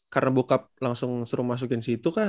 karena bokap langsung suruh masukin situ kah